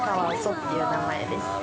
っていう名前です。